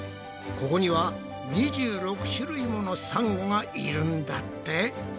ここには２６種類ものサンゴがいるんだって！